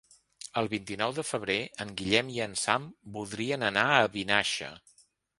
El vint-i-nou de febrer en Guillem i en Sam voldrien anar a Vinaixa.